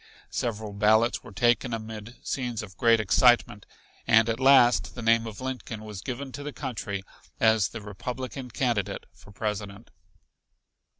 Several ballots were taken amid scenes of great excitement, and at last the name of Lincoln was given to the country as the Republican candidate for President.